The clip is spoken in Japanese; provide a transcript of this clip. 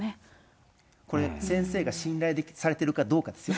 これ、先生が信頼されてるかどうかですよ。